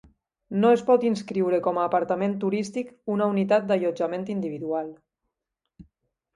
No es pot inscriure com a apartament turístic una unitat d'allotjament individual.